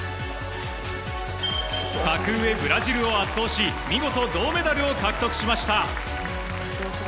格上、ブラジルを圧倒し、見事、銅メダルを獲得しました。